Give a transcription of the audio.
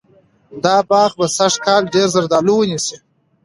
دا باغ به سږکال ډېر زردالو ونیسي.